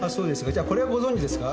じゃあこれはご存じですか？